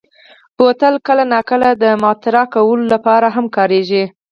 بوتل کله ناکله د معطر کولو لپاره هم کارېږي.